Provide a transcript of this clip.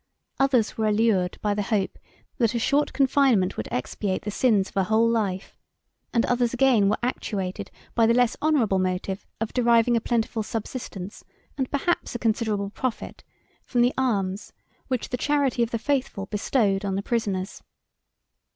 Others were allured by the hope that a short confinement would expiate the sins of a whole life; and others again were actuated by the less honorable motive of deriving a plentiful subsistence, and perhaps a considerable profit, from the alms which the charity of the faithful bestowed on the prisoners.